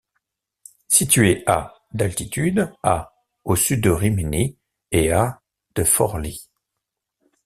Situé à d’altitude, à au sud de Rimini et à de Forlì.